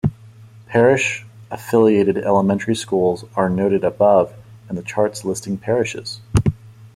Parish-affiliated elementary schools are noted above in the charts listing parishes.